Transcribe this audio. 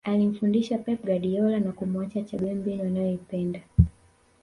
alimfundisha pep guardiola na kumuacha achague mbinu anayoipenda